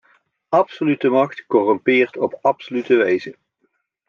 Absolute macht corrumpeert op absolute wijze.